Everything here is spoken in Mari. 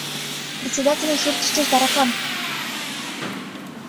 — Председательын суртыштыжо — таракан!